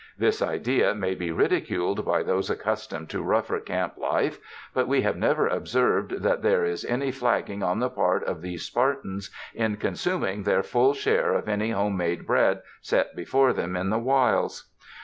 This idea may be ridiculed by those accustomed to rougher camp life, but we have never observed that there is any flagging on the part of these Spartans in consum ing their full share of any homemade bread set be fore them in the wilds.